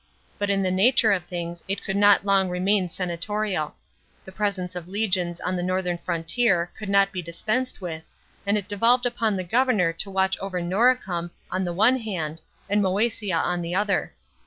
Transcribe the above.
But in the nature of things it could not long remain senatorial. The presence of legions on the northern frontier could not be dispensed with, and it devolved upon the governor to watch over Noricum on the one hand and Mcesia on the other.